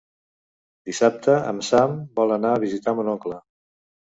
Dissabte en Sam vol anar a visitar mon oncle.